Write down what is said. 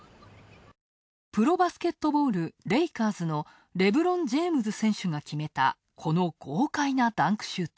プロバスケットボール・レイカーズのレブロン・ジェームズ選手が決めた、この豪快なダンクシュート。